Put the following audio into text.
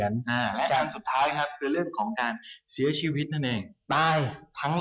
องค์ซี่เอาตัว